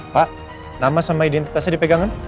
pak nama sama identitasnya dipegangkan